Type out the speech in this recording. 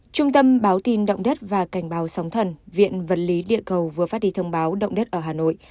trung tâm báo tin động đất và cảnh báo sóng thần viện vật lý địa cầu vừa phát đi thông báo động đất ở hà nội